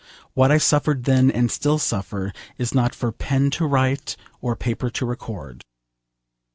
What I suffered then, and still suffer, is not for pen to write or paper to record.